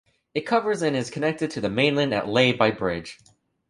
It covers and is connected to the mainland at Leigh by a bridge.